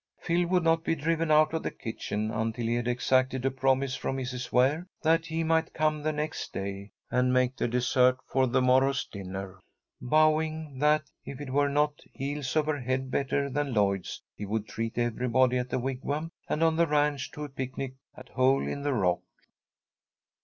Phil would not be driven out of the kitchen until he had exacted a promise from Mrs. Ware that he might come the next day, and make the dessert for the morrow's dinner, vowing that, if it were not heels over head better than Lloyd's, he would treat everybody at the Wigwam and on the ranch to a picnic at Hole in the rock.